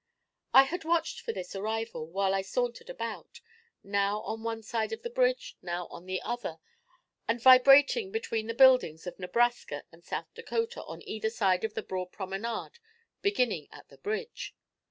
I had watched for this arrival while I sauntered about, now on one side of the bridge, now on the other, and vibrating between the buildings of Nebraska and South Dakota, on either side the broad promenade beginning at the bridge.